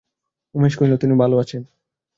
উমেশ কহিল, তিনি ভালো আছেন।